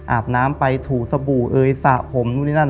อาบน้ำไปถูสบู่เอ่ยสระผมนู่นนี่นั่น